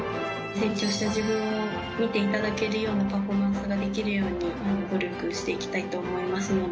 成長した自分を見ていただけるようなパフォーマンスができるように努力して行きたいと思います。